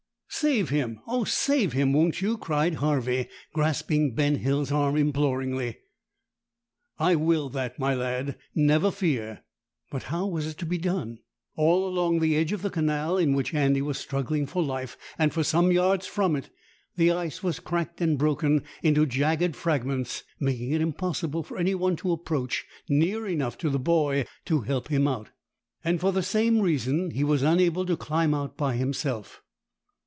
"Save him! oh, save him, won't you?" cried Harvey, grasping Ben Hill's arm imploringly. "I will that, my lad; never fear." But how was it to be done? All along the edge of the canal in which Andy was struggling for life, and for some yards from it, the ice was cracked and broken into jagged fragments, making it impossible for any one to approach near enough to the boy to help him out, and for the same reason he was unable to climb out by himself.